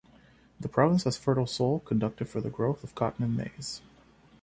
The province has fertile soil conducive for the growth of cotton and maize.